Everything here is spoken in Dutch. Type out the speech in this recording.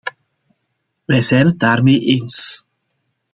Wij zijn het daarmee eens.